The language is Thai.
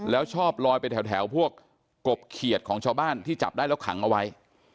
แล้วชอบลอยไปแถวพวกกบเขียดของชาวบ้านที่จับได้แล้วขังเอาไว้